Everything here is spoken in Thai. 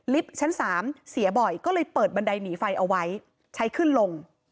ชั้น๓เสียบ่อยก็เลยเปิดบันไดหนีไฟเอาไว้ใช้ขึ้นลง